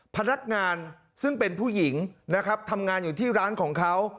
พนักงานซึ่งเป็นผู้หญิงนะครับทำงานอยู่ที่ร้านของเขา